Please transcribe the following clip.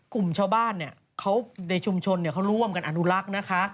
กลุ่มชาวบ้านเขาร่วมกันอนุลักษณ์นะคะ